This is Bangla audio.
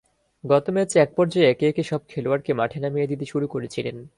গত ম্যাচে একপর্যায়ে একে একে সব খেলোয়াড়কে মাঠে নামিয়ে দিতে শুরু করেছিলেন।